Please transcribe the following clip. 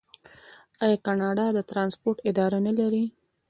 آیا کاناډا د ټرانسپورټ اداره نلري؟